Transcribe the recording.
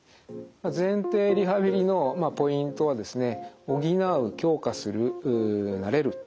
前庭リハビリのポイントはですね